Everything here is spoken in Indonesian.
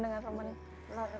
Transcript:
saya sudah lama saja belajar